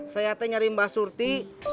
saya nyari mbak surti